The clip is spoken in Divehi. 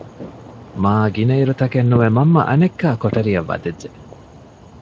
މާގިނައިރު ތަކެއް ނުވެ މަންމަ އަނެއްކާ ކޮޓަރިއަށް ވަދެއްޖެ